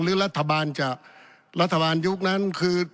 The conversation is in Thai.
หรือรัฐบาลยุคนั้นคือ